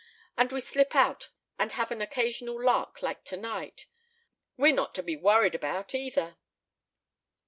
And we slip out and have an occasional lark like tonight. We're not to be worried about, either."